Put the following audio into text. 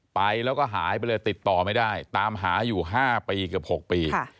ไปแล้วก็หายไปเลยติดต่อไม่ได้ตามหาอยู่๕ปีเกือบ๖ปี